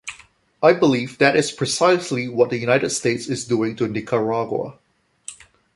I believe that is precisely what the United States is doing to Nicaragua.